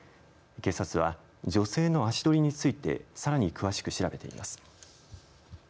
警察は女性の足取りについてさらに詳しく調べています。